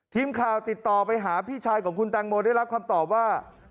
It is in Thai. ทีมข่าวติดต่อไปหาพี่ชายของคุณแตงโมได้รับคำตอบว่า